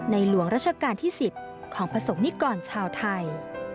หลวงราชการที่๑๐ของประสงค์นิกรชาวไทย